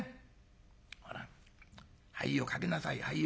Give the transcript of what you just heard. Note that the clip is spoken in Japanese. ほら灰をかけなさい灰を。